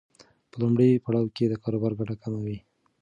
په لومړي پړاو کې د کاروبار ګټه کمه وي.